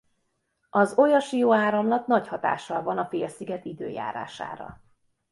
Az Oja-Sio-áramlat nagy hatással van a félsziget időjárására.